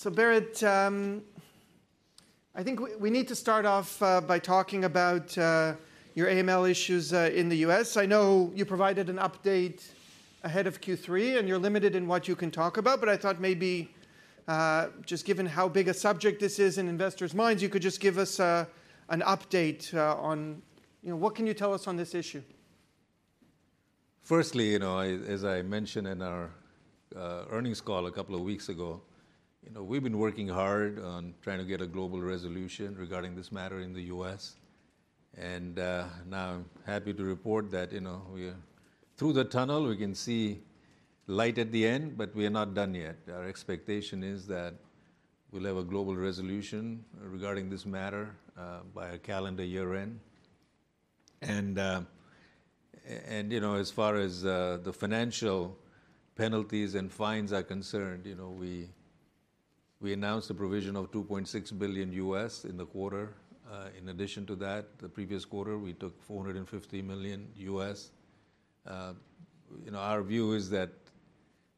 So Bharat, I think we need to start off by talking about your AML issues in the U.S. I know you provided an update ahead of Q3, and you're limited in what you can talk about, but I thought maybe just given how big a subject this is in investors' minds, you could just give us an update on, you know, what can you tell us on this issue? Firstly, you know, I, as I mentioned in our earnings call a couple of weeks ago, you know, we've been working hard on trying to get a global resolution regarding this matter in the U.S. And now I'm happy to report that, you know, we are through the tunnel. We can see light at the end, but we are not done yet. Our expectation is that we'll have a global resolution regarding this matter by our calendar year end. And, you know, as far as the financial penalties and fines are concerned, you know, we announced a provision of $2.6 billion in the quarter. In addition to that, the previous quarter, we took $450 million. You know, our view is that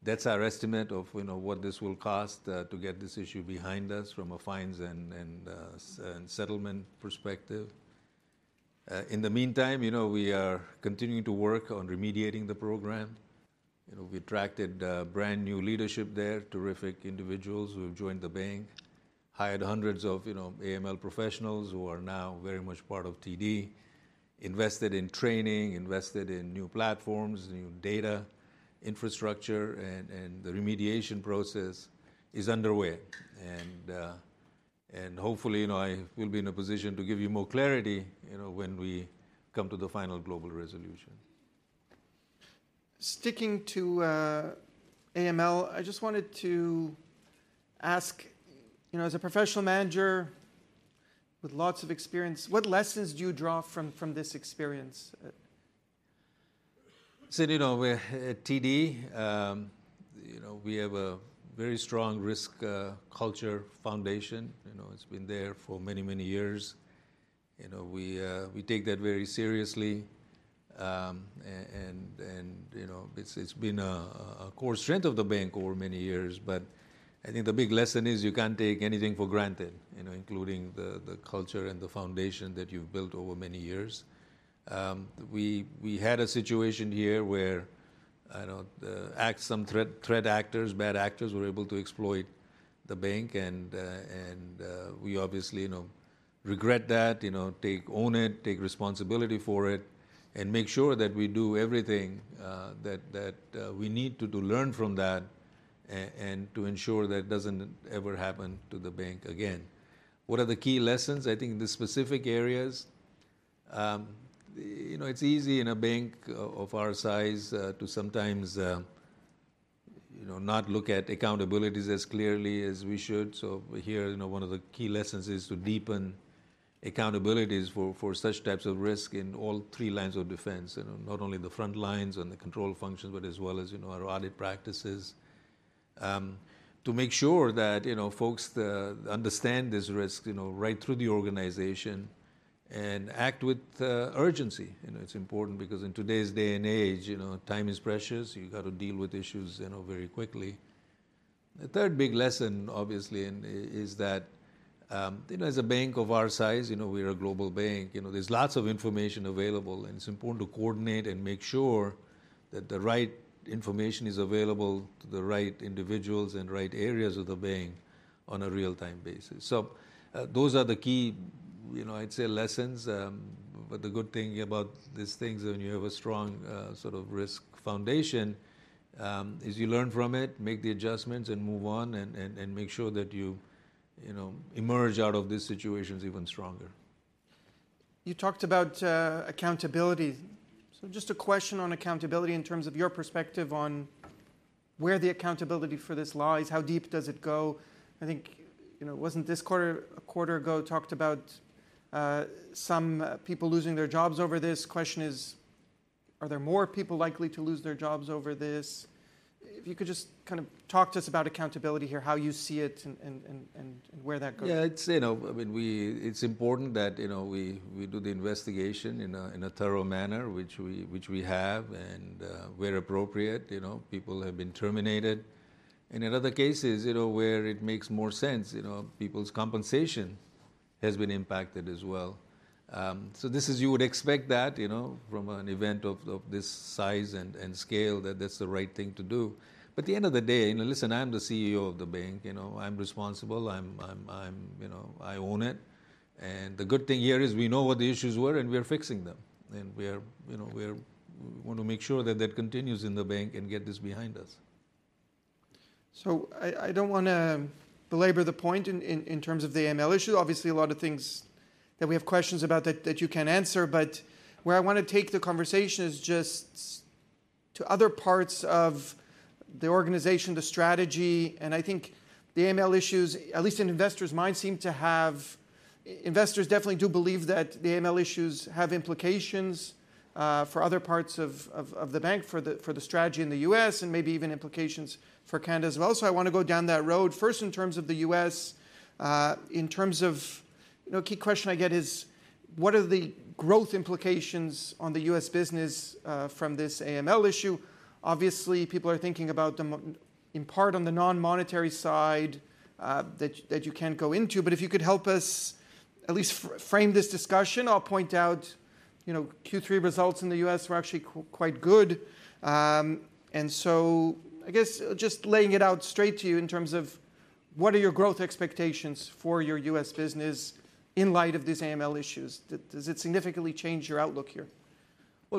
that's our estimate of, you know, what this will cost to get this issue behind us from a fines and settlement perspective. In the meantime, you know, we are continuing to work on remediating the program. You know, we attracted brand-new leadership there, terrific individuals who have joined the bank. Hired hundreds of, you know, AML professionals who are now very much part of TD, invested in training, invested in new platforms, new data, infrastructure, and the remediation process is underway. Hopefully, you know, I will be in a position to give you more clarity, you know, when we come to the final global resolution. Sticking to AML, I just wanted to ask, you know, as a professional manager with lots of experience, what lessons do you draw from this experience? So, you know, we at TD, you know, we have a very strong risk culture foundation. You know, it's been there for many, many years. You know, we take that very seriously. And, you know, it's been a core strength of the bank over many years. But I think the big lesson is you can't take anything for granted, you know, including the culture and the foundation that you've built over many years. We had a situation here where some threat actors, bad actors, were able to exploit the bank, and we obviously, you know, regret that. You know, take... Own it, take responsibility for it, and make sure that we do everything that we need to, to learn from that and to ensure that doesn't ever happen to the bank again. What are the key lessons? I think the specific areas, you know, it's easy in a bank of our size to sometimes you know not look at accountabilities as clearly as we should. So here, you know, one of the key lessons is to deepen accountabilities for such types of risk in all three lines of defense. You know, not only the front lines and the control functions, but as well as, you know, our audit practices. To make sure that, you know, folks understand this risk, you know, right through the organization and act with urgency. You know, it's important because in today's day and age, you know, time is precious. You've got to deal with issues, you know, very quickly. The third big lesson, obviously, and is that, you know, as a bank of our size, you know, we're a global bank, you know, there's lots of information available, and it's important to coordinate and make sure that the right information is available to the right individuals and right areas of the bank on a real-time basis. So, those are the key, you know, I'd say lessons. But the good thing about these things, when you have a strong, sort of risk foundation, is you learn from it, make the adjustments, and move on, and make sure that you, you know, emerge out of these situations even stronger. You talked about accountability. So just a question on accountability in terms of your perspective on where the accountability for this lies. How deep does it go? I think, you know, wasn't this quarter, a quarter ago, talked about some people losing their jobs over this? Question is: Are there more people likely to lose their jobs over this? If you could just kind of talk to us about accountability here, how you see it, and where that goes. Yeah, I'd say, you know, when we... It's important that, you know, we do the investigation in a thorough manner, which we have, and where appropriate, you know, people have been terminated. And in other cases, you know, where it makes more sense, you know, people's compensation has been impacted as well. So this is... You would expect that, you know, from an event of this size and scale, that that's the right thing to do. But at the end of the day, you know, listen, I am the CEO of the bank. You know, I'm responsible, I'm... You know, I own it. And the good thing here is we know what the issues were, and we are fixing them. We are, you know, want to make sure that that continues in the bank and get this behind us. So I don't wanna belabor the point in terms of the AML issue. Obviously, a lot of things that we have questions about that you can answer, but where I want to take the conversation is just to other parts of the organization, the strategy. And I think the AML issues, at least in investors' minds, seem to have. Investors definitely do believe that the AML issues have implications for other parts of the bank, for the strategy in the U.S., and maybe even implications for Canada as well. So I want to go down that road, first in terms of the U.S., in terms of. You know, a key question I get is: What are the growth implications on the U.S. business from this AML issue? Obviously, people are thinking about them, in part on the non-monetary side, that you can't go into. But if you could help us at least frame this discussion. I'll point out, you know, Q3 results in the U.S. were actually quite good. And so I guess just laying it out straight to you in terms of what are your growth expectations for your U.S. business in light of these AML issues? Does it significantly change your outlook here?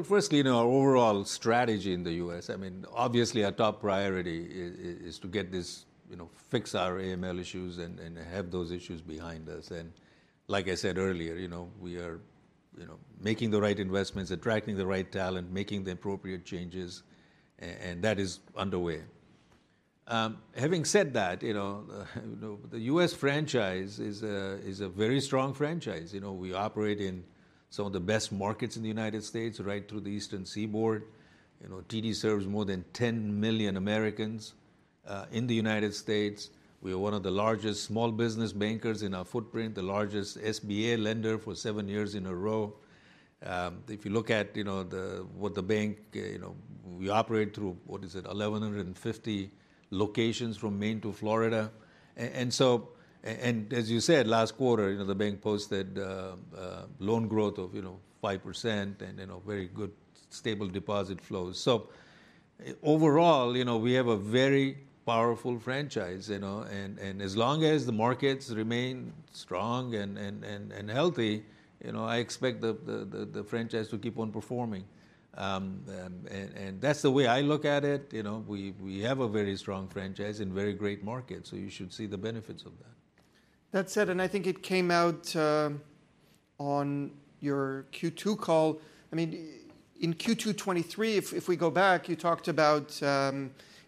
Firstly, you know, our overall strategy in the U.S., I mean, obviously, our top priority is to get this, you know, fix our AML issues and have those issues behind us. And like I said earlier, you know, we are making the right investments, attracting the right talent, making the appropriate changes, and that is underway. Having said that, you know, the U.S. franchise is a very strong franchise. You know, we operate in some of the best markets in the United States, right through the Eastern Seaboard. You know, TD serves more than 10 million Americans in the United States. We are one of the largest small business bankers in our footprint, the largest SBA lender for 7 years in a row. If you look at, you know, the bank, you know, we operate through, what is it? 1,150 locations from Maine to Florida. And so, as you said, last quarter, you know, the bank posted loan growth of, you know, 5% and, you know, very good, stable deposit flows. So overall, you know, we have a very powerful franchise, you know, and as long as the markets remain strong and healthy, you know, I expect the franchise to keep on performing. And that's the way I look at it. You know, we have a very strong franchise and very great market, so you should see the benefits of that. That said, and I think it came out on your Q2 call. I mean, in Q2 2023, if we go back, you talked about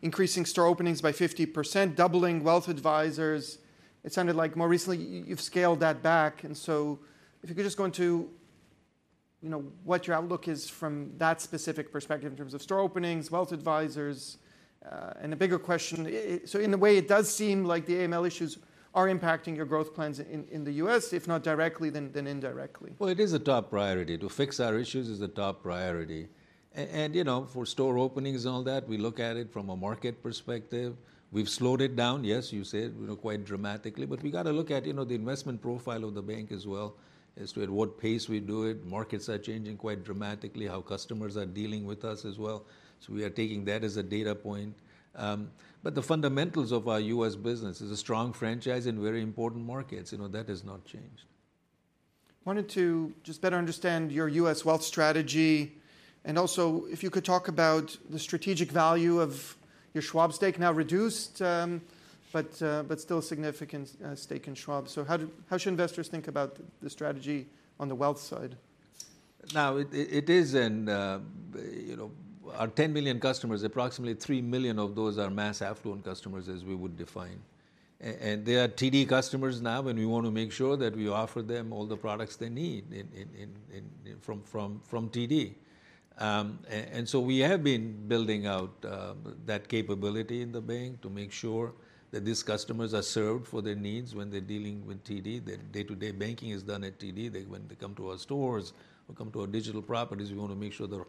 increasing store openings by 50%, doubling wealth advisors. It sounded like more recently, you've scaled that back, and so if you could just go into, you know, what your outlook is from that specific perspective in terms of store openings, wealth advisors, and the bigger question, so in a way, it does seem like the AML issues are impacting your growth plans in the U.S., if not directly, then indirectly. It is a top priority. To fix our issues is a top priority. You know, for store openings and all that, we look at it from a market perspective. We've slowed it down, yes, you said, you know, quite dramatically. But we've got to look at, you know, the investment profile of the bank as well as to at what pace we do it. Markets are changing quite dramatically, how customers are dealing with us as well, so we are taking that as a data point. But the fundamentals of our U.S. business is a strong franchise in very important markets. You know, that has not changed. Wanted to just better understand your U.S. wealth strategy, and also, if you could talk about the strategic value of your Schwab stake, now reduced, but still a significant stake in Schwab. So how should investors think about the strategy on the wealth side? Now, you know. Our 10 million customers, approximately 3 million of those are mass affluent customers, as we would define. And they are TD customers now, and we want to make sure that we offer them all the products they need from TD. And so we have been building out that capability in the bank to make sure that these customers are served for their needs when they're dealing with TD. Their day-to-day banking is done at TD. They, when they come to our stores or come to our digital properties, we want to make sure the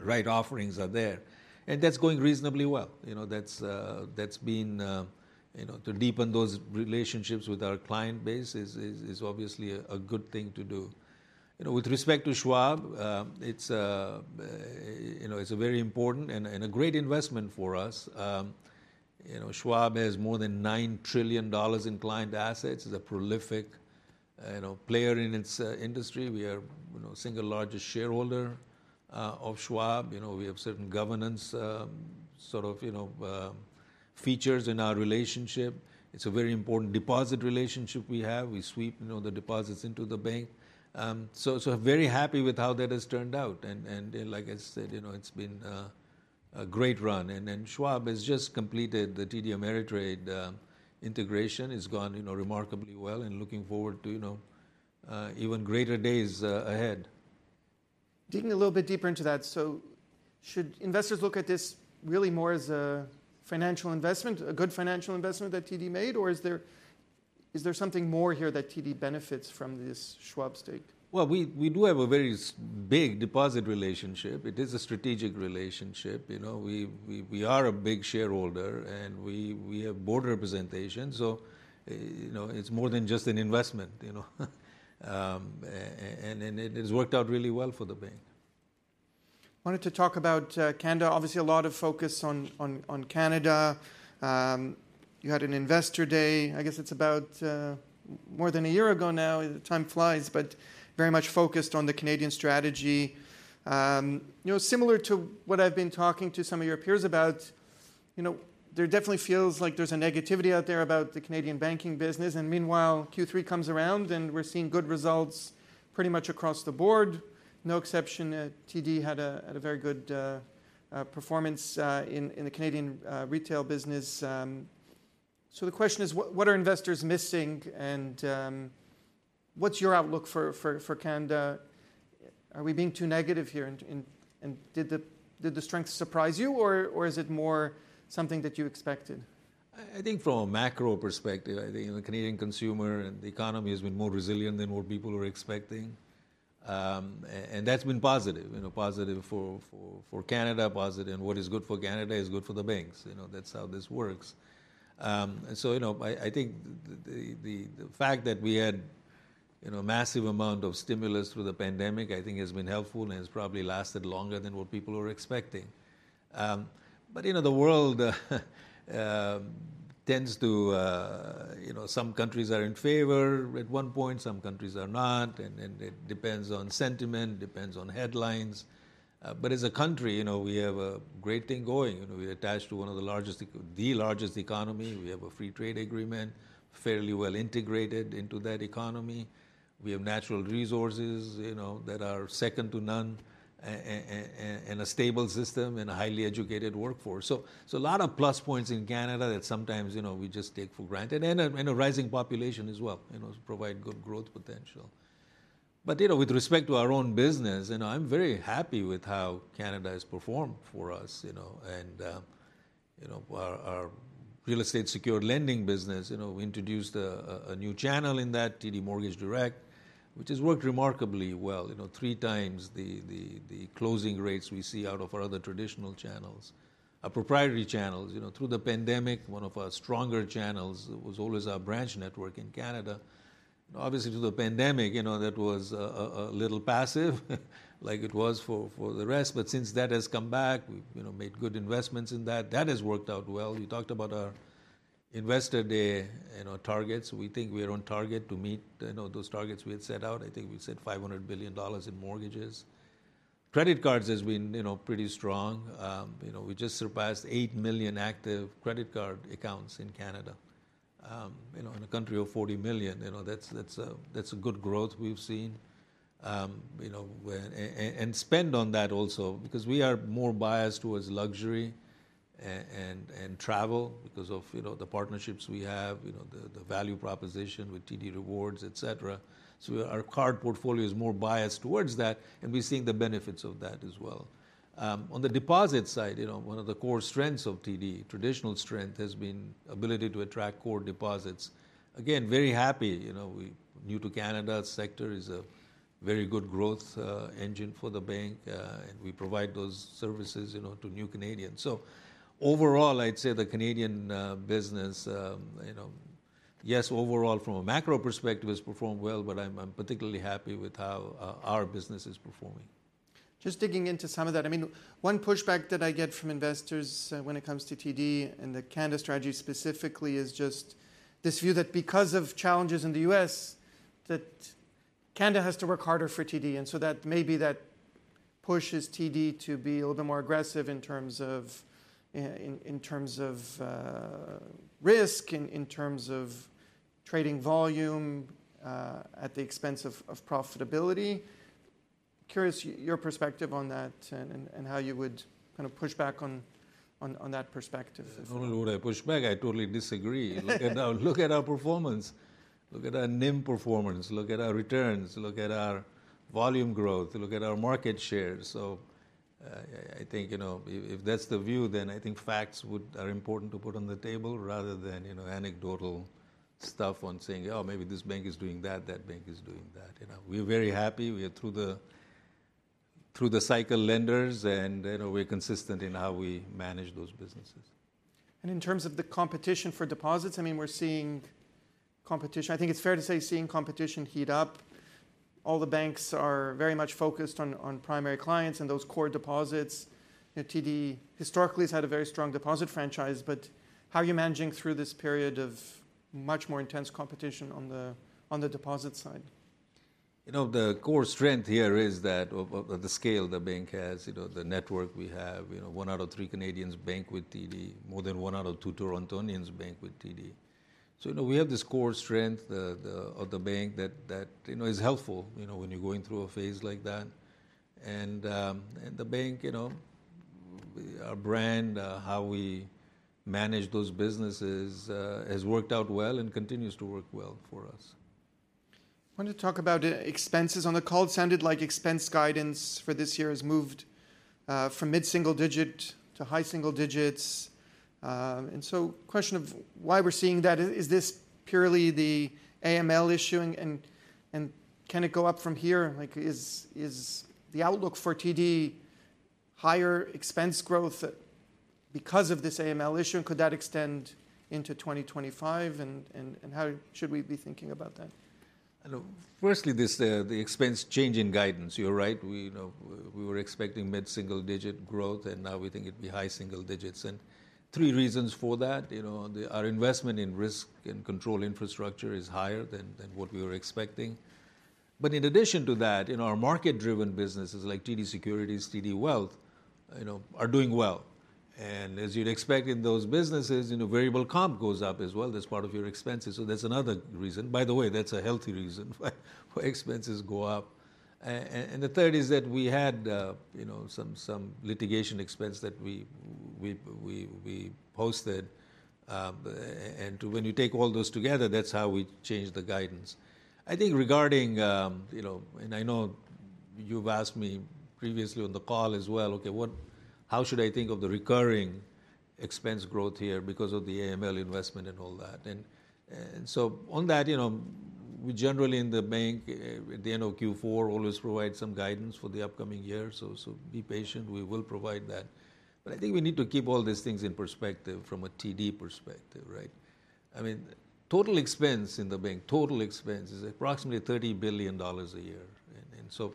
right offerings are there, and that's going reasonably well. You know, that's been you know, to deepen those relationships with our client base is obviously a good thing to do. You know, with respect to Schwab, it's a very important and a great investment for us. You know, Schwab has more than $9 trillion in client assets, is a prolific, you know, player in its industry. We are, you know, single largest shareholder of Schwab. You know, we have certain governance, sort of, you know, features in our relationship. It's a very important deposit relationship we have. We sweep, you know, the deposits into the bank. So very happy with how that has turned out. And like I said, you know, it's been a great run. And Schwab has just completed the TD Ameritrade integration. It's gone, you know, remarkably well and looking forward to, you know, even greater days ahead. Digging a little bit deeper into that. So should investors look at this really more as a financial investment, a good financial investment that TD made, or is there, is there something more here that TD benefits from this Schwab stake? We do have a very big deposit relationship. It is a strategic relationship. You know, we are a big shareholder, and we have board representation, so you know, it's more than just an investment, you know, and it has worked out really well for the bank. I wanted to talk about Canada. Obviously, a lot of focus on Canada. You had an Investor Day, I guess it's about more than a year ago now, time flies, but very much focused on the Canadian strategy. You know, similar to what I've been talking to some of your peers about, you know, there definitely feels like there's a negativity out there about the Canadian banking business, and meanwhile, Q3 comes around, and we're seeing good results pretty much across the board. No exception, TD had a very good performance in the Canadian retail business. So the question is: What are investors missing, and what's your outlook for Canada? Are we being too negative here? Did the strength surprise you, or is it more something that you expected? I think from a macro perspective, I think, you know, the Canadian consumer and the economy has been more resilient than what people were expecting, and that's been positive, you know, positive for Canada, positive, and what is good for Canada is good for the banks. You know, that's how this works, and so, you know, I think the fact that we had, you know, a massive amount of stimulus through the pandemic, I think has been helpful, and it's probably lasted longer than what people were expecting. But, you know, the world tends to, you know, some countries are in favor at one point, some countries are not, and it depends on sentiment, depends on headlines, but as a country, you know, we have a great thing going. You know, we are attached to one of the largest, the largest economy. We have a free trade agreement, fairly well integrated into that economy. We have natural resources, you know, that are second to none, and a stable system, and a highly educated workforce, so a lot of plus points in Canada that sometimes, you know, we just take for granted, and a rising population as well, you know, to provide good growth potential, but you know, with respect to our own business, you know, I'm very happy with how Canada has performed for us, you know, and you know, our real estate-secured lending business, you know, we introduced a new channel in that, TD Mortgage Direct, which has worked remarkably well. You know, three times the closing rates we see out of our other traditional channels, our proprietary channels. You know, through the pandemic, one of our stronger channels was always our branch network in Canada. Obviously, through the pandemic, you know, that was a little passive, like it was for the rest. But since that has come back, we've, you know, made good investments in that. That has worked out well. You talked about our Investor Day, you know, targets. We think we are on target to meet, you know, those targets we had set out. I think we said 500 billion dollars in mortgages. Credit cards has been, you know, pretty strong. You know, we just surpassed 8 million active credit card accounts in Canada. You know, in a country of forty million, you know, that's a good growth we've seen. You know, and spend on that also, because we are more biased towards luxury and travel because of, you know, the partnerships we have, you know, the value proposition with TD Rewards, et cetera. So our card portfolio is more biased towards that, and we're seeing the benefits of that as well. On the deposit side, you know, one of the core strengths of TD, traditional strength, has been ability to attract core deposits. Again, very happy. You know, New to Canada sector is a very good growth engine for the bank, and we provide those services, you know, to new Canadians. So overall, I'd say the Canadian business, you know, yes, overall from a macro perspective, has performed well, but I'm particularly happy with how our business is performing. Just digging into some of that, I mean, one pushback that I get from investors, when it comes to TD and the Canada strategy specifically, is just this view that because of challenges in the U.S., that Canada has to work harder for TD, and so that maybe that pushes TD to be a little more aggressive in terms of risk and in terms of trading volume, at the expense of profitability. Curious your perspective on that, and how you would kind of push back on that perspective as well. Not only would I push back, I totally disagree. Look at our, look at our performance. Look at our NIM performance, look at our returns, look at our volume growth, look at our market share. So, I think, you know, if, if that's the view, then I think facts would... are important to put on the table rather than, you know, anecdotal stuff on saying, "Oh, maybe this bank is doing that, that bank is doing that." You know, we're very happy. We are through the, through-the-cycle lenders, and, you know, we're consistent in how we manage those businesses. And in terms of the competition for deposits, I mean, we're seeing competition. I think it's fair to say, seeing competition heat up. All the banks are very much focused on, on primary clients and those core deposits. You know, TD historically has had a very strong deposit franchise, but how are you managing through this period of much more intense competition on the, on the deposit side? You know, the core strength here is that of the scale the bank has, you know, the network we have. You know, one out of three Canadians bank with TD, more than one out of two Torontonians bank with TD. So, you know, we have this core strength, the of the bank that you know is helpful, you know, when you're going through a phase like that, and the bank, you know, our brand, how we manage those businesses, has worked out well and continues to work well for us. I wanted to talk about expenses. On the call, it sounded like expense guidance for this year has moved from mid-single digit to high single digits. And so the question of why we're seeing that, is this purely the AML issue, and can it go up from here? Like, is the outlook for TD higher expense growth because of this AML issue, and could that extend into 2025? And how should we be thinking about that? You know, firstly, this, the expense change in guidance, you're right. We, you know, we were expecting mid-single digit growth, and now we think it'd be high single digits. And three reasons for that, you know, our investment in risk and control infrastructure is higher than what we were expecting. But in addition to that, in our market-driven businesses, like TD Securities, TD Wealth, you know, are doing well. And as you'd expect in those businesses, you know, variable comp goes up as well. That's part of your expenses, so that's another reason. By the way, that's a healthy reason why expenses go up. And the third is that we had, you know, some litigation expense that we posted, and when you take all those together, that's how we changed the guidance. I think regarding, you know, and I know you've asked me previously on the call as well, okay, how should I think of the recurring expense growth here because of the AML investment and all that? And so on that, you know, we generally in the bank at the end of Q4 always provide some guidance for the upcoming year, so be patient, we will provide that. But I think we need to keep all these things in perspective from a TD perspective, right? I mean, total expense in the bank, total expense, is approximately 30 billion dollars a year. And so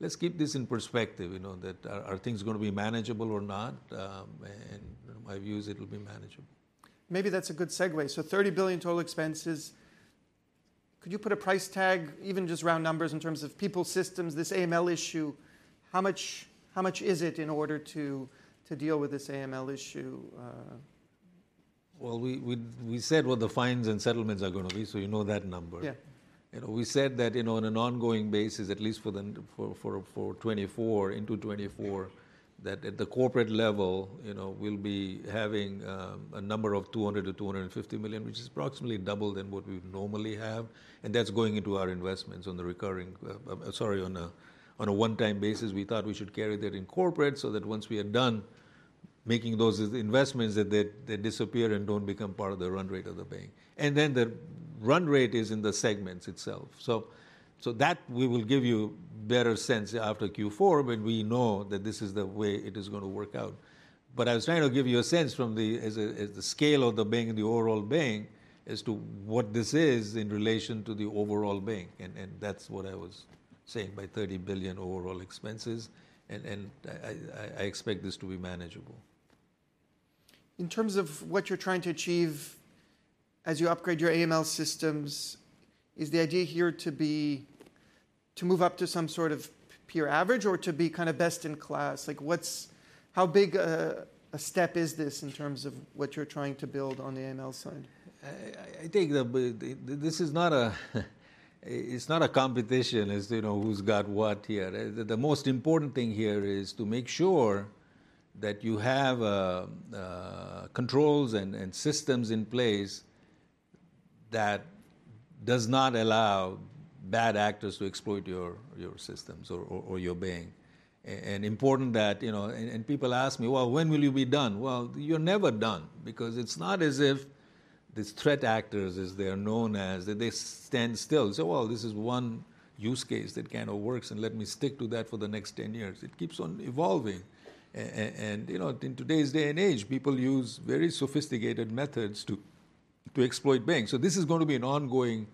let's keep this in perspective, you know, that are things gonna be manageable or not? And my view is it'll be manageable. Maybe that's a good segue. So 30 billion total expenses, could you put a price tag, even just round numbers, in terms of people, systems, this AML issue? How much, how much is it in order to, to deal with this AML issue? We said what the fines and settlements are gonna be, so you know that number. Yeah. You know, we said that, you know, on an ongoing basis, at least for 2024, into 2024, that at the corporate level, you know, we'll be having a number of 200 million-250 million, which is approximately double than what we would normally have, and that's going into our investments on the recurring. Sorry, on a one-time basis, we thought we should carry that in corporate, so that once we are done making those investments, that they disappear and don't become part of the run rate of the bank. And then the run rate is in the segments itself. So that we will give you better sense after Q4, when we know that this is the way it is gonna work out. But I was trying to give you a sense from the... as the scale of the bank and the overall bank, as to what this is in relation to the overall bank, and that's what I was saying, by 30 billion overall expenses, and I expect this to be manageable. In terms of what you're trying to achieve as you upgrade your AML systems, is the idea here to be, to move up to some sort of peer average or to be kind of best-in-class? Like, what's... How big a step is this in terms of what you're trying to build on the AML side? But this is not a competition, as you know, who's got what here. The most important thing here is to make sure that you have controls and systems in place that does not allow bad actors to exploit your systems or your bank. And important that, you know. And people ask me: "Well, when will you be done?" Well, you're never done, because it's not as if these threat actors, as they are known as, that they stand still and say, "Well, this is one use case that kind of works, and let me stick to that for the next ten years." It keeps on evolving. And, you know, in today's day and age, people use very sophisticated methods to exploit banks. So this is going to be an ongoing,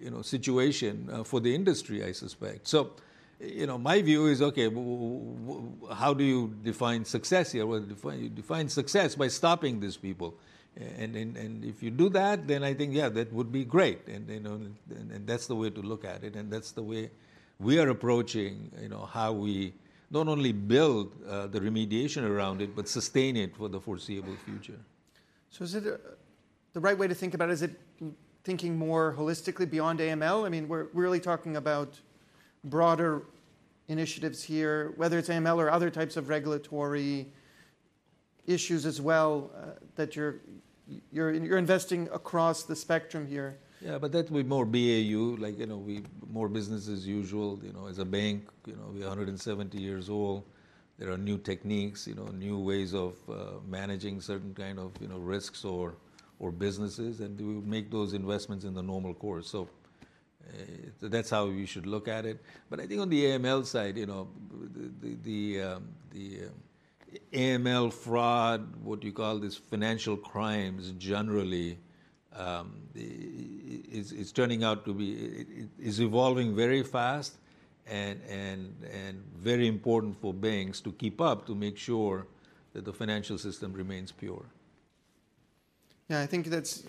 you know, situation for the industry, I suspect. So, you know, my view is, okay, how do you define success here? Well, you define success by stopping these people. And if you do that, then I think, yeah, that would be great. And, you know, that's the way to look at it, and that's the way we are approaching, you know, how we not only build the remediation around it, but sustain it for the foreseeable future. So is it the right way to think about it? Is it thinking more holistically beyond AML? I mean, we're really talking about broader initiatives here, whether it's AML or other types of regulatory issues as well, that you're investing across the spectrum here. Yeah, but that will be more BAU, like, you know, more business as usual. You know, as a bank, you know, we're a hundred and seventy years old. There are new techniques, you know, new ways of managing certain kind of, you know, risks or businesses, and we make those investments in the normal course. So, that's how you should look at it. But I think on the AML side, you know, the AML fraud, what you call these financial crimes generally, is turning out to be evolving very fast and very important for banks to keep up, to make sure that the financial system remains pure. Yeah, I think that's,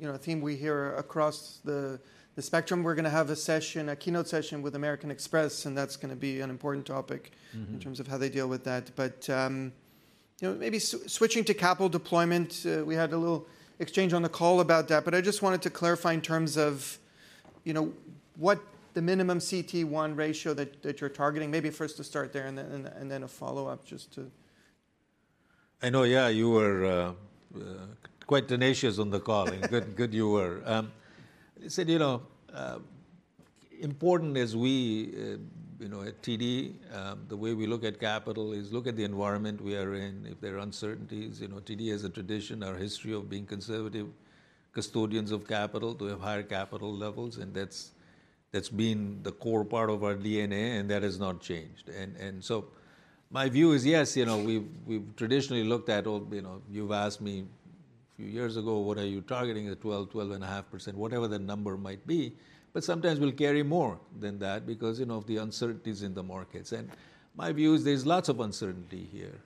you know, a theme we hear across the spectrum. We're gonna have a session, a keynote session with American Express, and that's gonna be an important topic in terms of how they deal with that. But, you know, maybe switching to capital deployment, we had a little exchange on the call about that, but I just wanted to clarify in terms of, you know, what the minimum CET1 ratio that you're targeting. Maybe first to start there and then a follow-up, just to- I know, yeah, you were quite tenacious on the call. Good, good you were. I said, you know, important as we, you know, at TD, the way we look at capital is look at the environment we are in. If there are uncertainties, you know, TD has a tradition, a history of being conservative custodians of capital. We have higher capital levels, and that's, that's been the core part of our DNA, and that has not changed. My view is, yes, you know, we've, we've traditionally looked at all, you know. You've asked me a few years ago, "What are you targeting? The 12-12.5%," whatever the number might be, but sometimes we'll carry more than that because, you know, of the uncertainties in the markets. My view is there's lots of uncertainty here.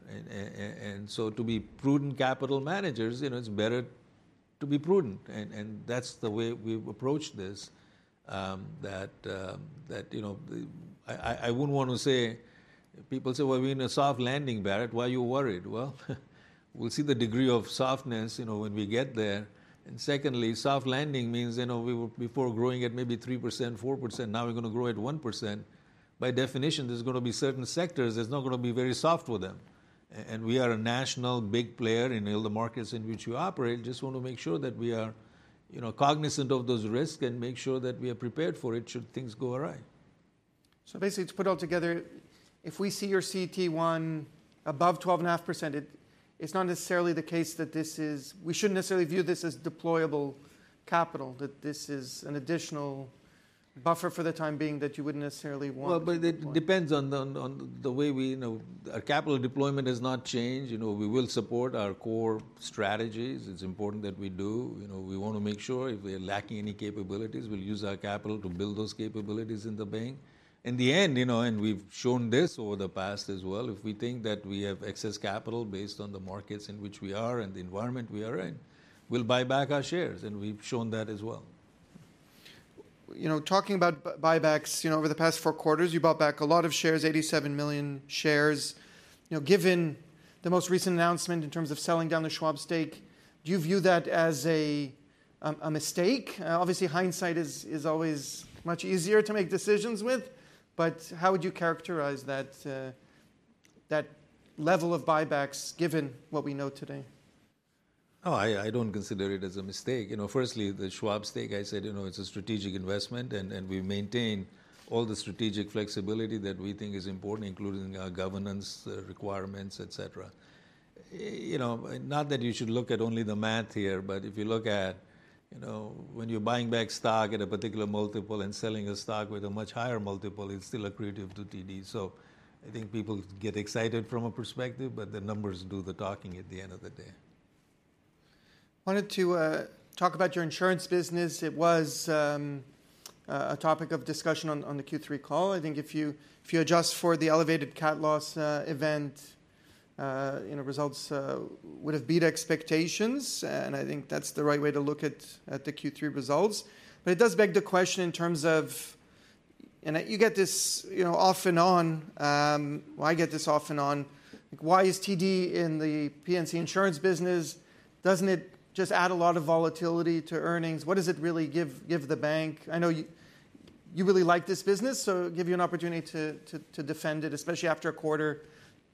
And so to be prudent capital managers, you know, it's better to be prudent, and that's the way we've approached this. That, you know, the... I wouldn't want to say... People say, "Well, we're in a soft landing, Bharat, why are you worried?" Well, we'll see the degree of softness, you know, when we get there. And secondly, soft landing means, you know, we were before growing at maybe 3%, 4%, now we're gonna grow at 1%... By definition, there's gonna be certain sectors that's not gonna be very soft for them. And we are a national big player in all the markets in which we operate. Just wanna make sure that we are, you know, cognizant of those risks and make sure that we are prepared for it should things go awry. So basically, to put all together, if we see your CET1 above 12.5%, it, it's not necessarily the case that this is. We shouldn't necessarily view this as deployable capital, that this is an additional buffer for the time being that you wouldn't necessarily want to deploy. But it depends on the way we, you know. Our capital deployment has not changed. You know, we will support our core strategies. It's important that we do. You know, we wanna make sure if we are lacking any capabilities, we'll use our capital to build those capabilities in the bank. In the end, you know, and we've shown this over the past as well, if we think that we have excess capital based on the markets in which we are and the environment we are in, we'll buy back our shares, and we've shown that as well. You know, talking about buybacks, you know, over the past four quarters, you bought back a lot of shares, 87 million shares. You know, given the most recent announcement in terms of selling down the Schwab stake, do you view that as a mistake? Obviously, hindsight is always much easier to make decisions with, but how would you characterize that level of buybacks, given what we know today? Oh, I don't consider it as a mistake. You know, firstly, the Schwab stake, I said, you know, it's a strategic investment, and we maintain all the strategic flexibility that we think is important, including governance requirements, et cetera. You know, not that you should look at only the math here, but if you look at, you know, when you're buying back stock at a particular multiple and selling a stock with a much higher multiple, it's still accretive to TD. So I think people get excited from a perspective, but the numbers do the talking at the end of the day. Wanted to talk about your insurance business. It was a topic of discussion on the Q3 call. I think if you adjust for the elevated cat loss event, you know, results would have beat expectations, and I think that's the right way to look at the Q3 results. But it does beg the question in terms of... And you get this, you know, off and on. Well, I get this off and on. Why is TD in the P&C insurance business? Doesn't it just add a lot of volatility to earnings? What does it really give the bank? I know you really like this business, so give you an opportunity to defend it, especially after a quarter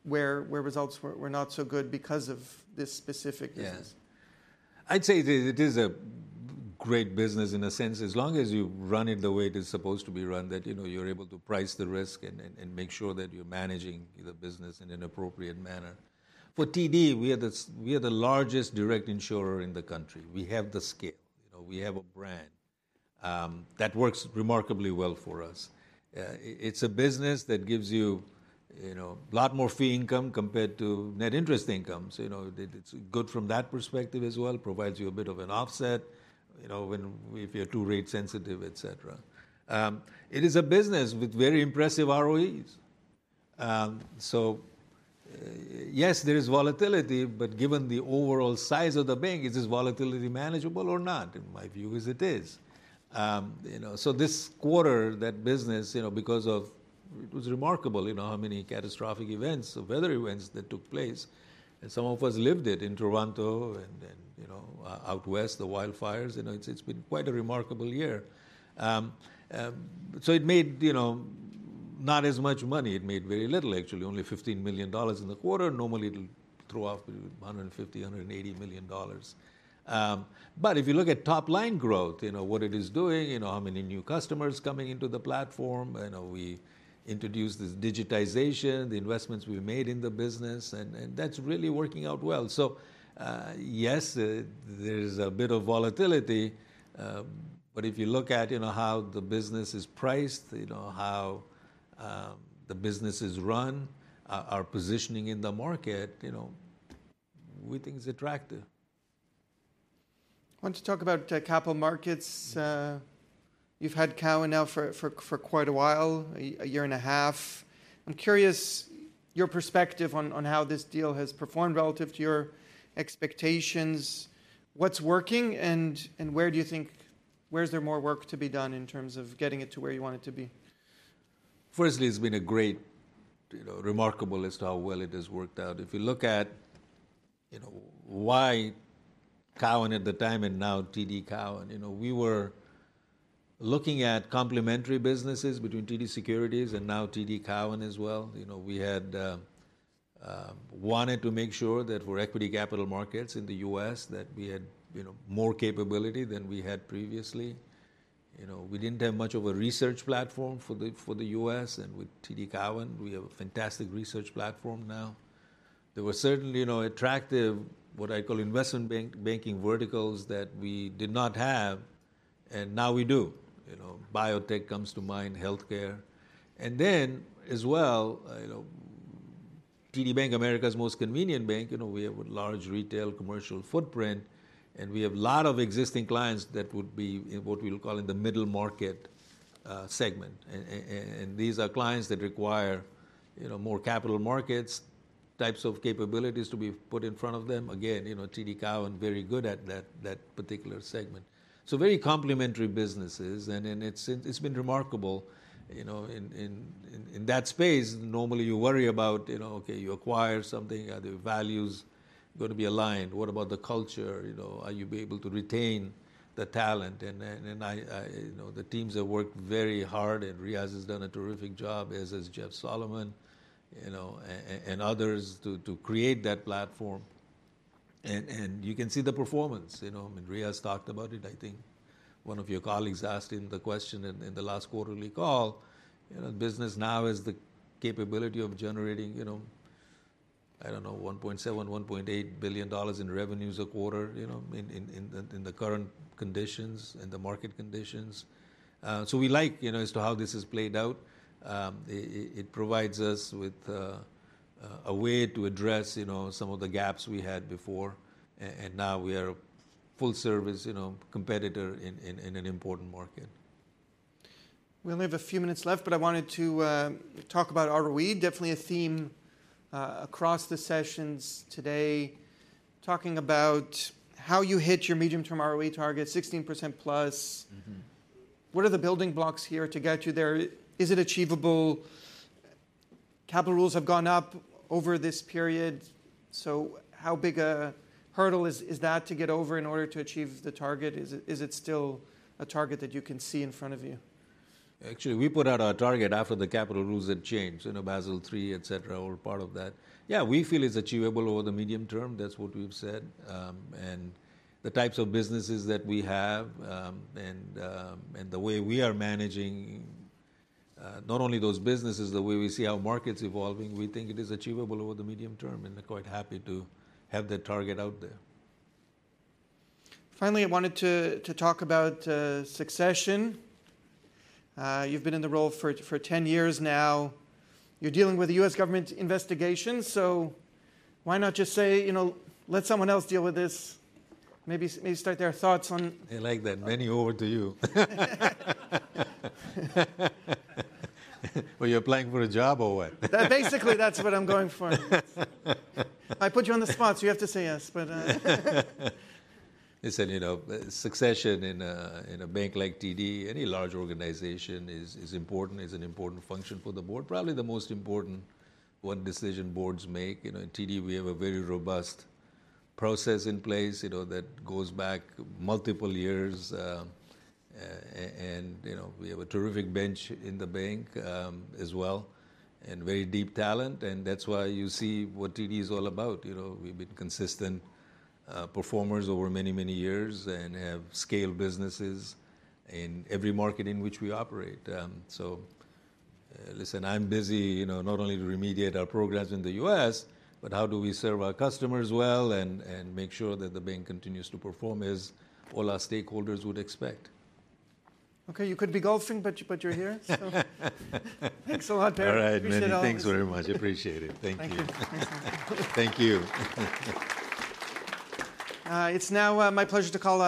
where results were not so good because of this specific business. Yes. I'd say it is, it is a great business in a sense, as long as you run it the way it is supposed to be run, that, you know, you're able to price the risk and make sure that you're managing the business in an appropriate manner. For TD, we are the largest direct insurer in the country. We have the scale. You know, we have a brand that works remarkably well for us. It's a business that gives you, you know, a lot more fee income compared to net interest income. So, you know, it, it's good from that perspective as well, provides you a bit of an offset, you know, when we if you're too rate sensitive, et cetera. It is a business with very impressive ROEs. So, yes, there is volatility, but given the overall size of the bank, is this volatility manageable or not? In my view, it is. You know, so this quarter, that business, you know, because of... It was remarkable, you know, how many catastrophic events or weather events that took place, and some of us lived it in Toronto and, you know, out west, the wildfires. You know, it's been quite a remarkable year. So it made, you know, not as much money. It made very little, actually, only 15 million dollars in the quarter. Normally, it'll throw off 150-180 million dollars. But if you look at top-line growth, you know, what it is doing, you know, how many new customers coming into the platform, you know, we introduced this digitization, the investments we made in the business, and that's really working out well. So, yes, there's a bit of volatility, but if you look at, you know, how the business is priced, you know, how the business is run, our positioning in the market, you know, we think it's attractive. I want to talk about capital markets. You've had Cowen now for quite a while, a year and a half. I'm curious your perspective on how this deal has performed relative to your expectations, what's working, and where do you think where is there more work to be done in terms of getting it to where you want it to be? Firstly, it's been a great, you know, remarkable as to how well it has worked out. If you look at, you know, why Cowen at the time and now TD Cowen, you know, we were looking at complementary businesses between TD Securities and now TD Cowen as well. You know, we had wanted to make sure that for equity capital markets in the U.S., that we had, you know, more capability than we had previously. You know, we didn't have much of a research platform for the, for the U.S., and with TD Cowen, we have a fantastic research platform now. There were certainly, you know, attractive, what I call investment banking verticals that we did not have, and now we do. You know, biotech comes to mind, healthcare. And then, as well, you know, TD Bank, America's Most Convenient Bank, you know, we have a large retail commercial footprint, and we have a lot of existing clients that would be in what we'll call in the middle market segment. And these are clients that require, you know, more capital markets types of capabilities to be put in front of them. Again, you know, TD Cowen, very good at that, that particular segment. So very complementary businesses, and then it's been remarkable. You know, in that space, normally you worry about, you know, okay, you acquire something, are the values gonna be aligned? What about the culture? You know, are you be able to retain the talent? And I, I... You know, the teams have worked very hard, and Riaz has done a terrific job, as has Jeff Solomon, you know, and others to create that platform. And you can see the performance, you know. I mean, Riaz talked about it. I think one of your colleagues asked him the question in the last quarterly call. You know, the business now has the capability of generating, you know, I don't know, $1.7-$1.8 billion in revenues a quarter, you know, in the current conditions, in the market conditions. So we like, you know, as to how this has played out. It provides us with a way to address, you know, some of the gaps we had before. Now we are a full service, you know, competitor in an important market. We only have a few minutes left, but I wanted to talk about ROE, definitely a theme across the sessions today, talking about how you hit your medium-term ROE target, 16% plus. What are the building blocks here to get you there? Is it achievable? Capital rules have gone up over this period, so how big a hurdle is that to get over in order to achieve the target? Is it still a target that you can see in front of you? Actually, we put out our target after the capital rules had changed, you know, Basel III, et cetera, all part of that. Yeah, we feel it's achievable over the medium term. That's what we've said, and the types of businesses that we have, and the way we are managing, not only those businesses, the way we see our markets evolving, we think it is achievable over the medium term, and we're quite happy to have that target out there. Finally, I wanted to talk about succession. You've been in the role for 10 years now. You're dealing with a U.S. government investigation, so why not just say, you know, "Let someone else deal with this?" Maybe start there. Thoughts on- I like that. Meny, over to you. You're applying for a job or what? Basically, that's what I'm going for. I put you on the spot, so you have to say yes, but... Listen, you know, succession in a bank like TD, any large organization, is important, is an important function for the board. Probably the most important one decision boards make. You know, in TD, we have a very robust process in place, you know, that goes back multiple years. And, you know, we have a terrific bench in the bank, as well, and very deep talent, and that's why you see what TD is all about. You know, we've been consistent performers over many, many years and have scaled businesses in every market in which we operate. So, listen, I'm busy, you know, not only to remediate our programs in the U.S., but how do we serve our customers well and make sure that the bank continues to perform as all our stakeholders would expect? Okay, you could be golfing, but you're here, so. Thanks a lot, Bharat. All right, Meny. Appreciate it. Thanks very much. Appreciate it. Thank you. Thank you. Thanks. Thank you. It's now my pleasure to call up-